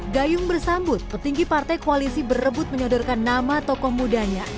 gayung bersambut petinggi partai koalisi berebut menyodorkan nama tokoh mudanya